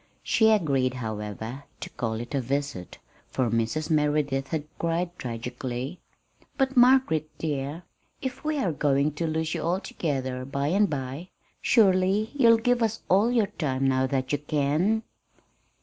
She agreed, however, to call it a "visit," for Mrs. Merideth had cried tragically: "But, Margaret, dear, if we are going to lose you altogether by and by, surely you will give us all your time now that you can!"